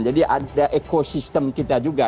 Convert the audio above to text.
jadi ada ekosistem kita juga